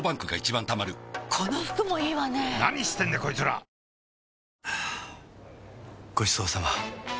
はぁごちそうさま！